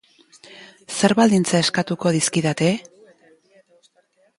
Zer baldintza eskatuko dizkidate?